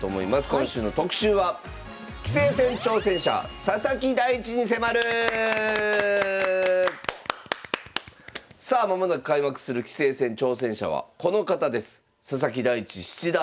今週の特集はさあ間もなく開幕する棋聖戦挑戦者はこの方です。